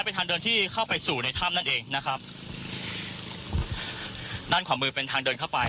เป็นทางเดินที่เข้าไปสู่ในถ้ำนั่นเองนะครับด้านขวามือเป็นทางเดินเข้าไป